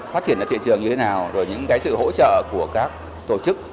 phát triển đất trị trường như thế nào rồi những sự hỗ trợ của các tổ chức